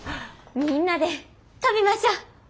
みんなで飛びましょう！